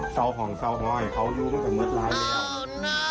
เสาห่องเสาหอยเขาอยู่ตั้งแต่เมืองร้ายแล้ว